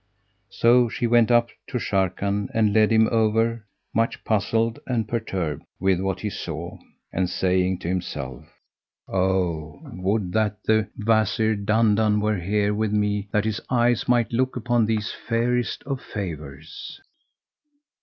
So she went up to Sharrkan and led him over, much puzzled and perturbed with what he saw, and saying to himself, "O would that the Wazir Dandan were here with me that his eyes might look upon these fairest of favours."